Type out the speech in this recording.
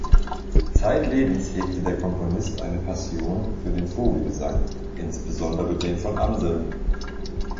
Zeitlebens hegte der Komponist eine Passion für den Vogelgesang, insbesondere den von Amseln.